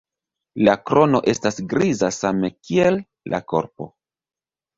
La krono estas griza same kiel la korpo.